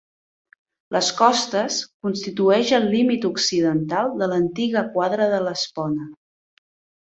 Les Costes constitueixen el límit occidental de l'antiga quadra de l'Espona.